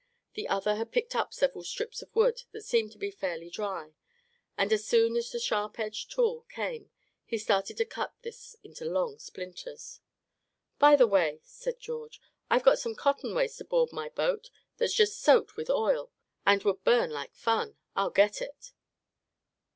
The other had picked up several strips of wood that seemed to be fairly dry; and as soon as the sharp edged tool came he started to cut this into long splinters. "By the way," said George, "I've got some cotton waste aboard my boat that's just soaked with oil, and would burn like fun. I'll get it."